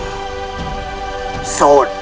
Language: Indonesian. nimas rara santam